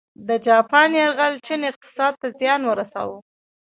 د جاپان یرغل چین اقتصاد ته زیان ورساوه.